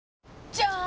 じゃーん！